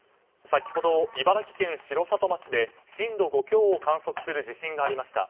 先ほど茨城県城里町で震度５強を観測する地震がありました。